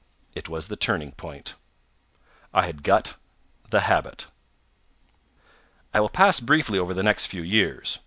It was the turning point. I had got the habit! I will pass briefly over the next few years.